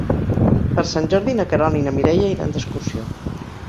Per Sant Jordi na Queralt i na Mireia iran d'excursió.